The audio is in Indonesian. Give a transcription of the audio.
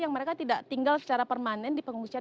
yang mereka tidak tinggal secara permanen di pengungsian